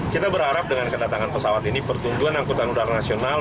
kita berharap dengan kedatangan pesawat ini pertumbuhan angkutan udara nasional